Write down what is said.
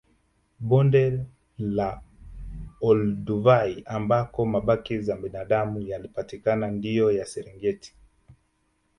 Bonde la Olduvai ambako mabaki ya zamadamu yalipatikana liko ndani ya Serengeti